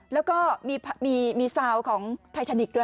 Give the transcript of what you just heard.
แล้วก็มีทราวน์ของไพรทานิคด้วย